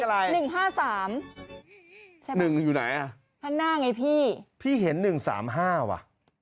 ใช่ไหมอยู่ไหนพี่เห็น๑๓๕ว่ะ